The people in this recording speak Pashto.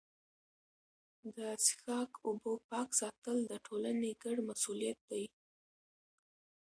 د څښاک اوبو پاک ساتل د ټولني ګډ مسوولیت دی.